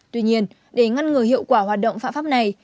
tuy nhiên để ngăn ngừa hiệu quả hoạt động phạm pháp này